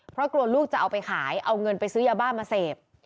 เพราะกลัวลูกจะเอาไปขายเอาเงินไปซื้อยาบ้ามาเสพ